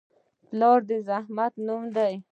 پلار د زحمت نوم دی.